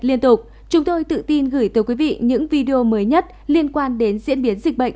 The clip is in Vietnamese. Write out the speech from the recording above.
liên tục chúng tôi tự tin gửi tới quý vị những video mới nhất liên quan đến diễn biến dịch bệnh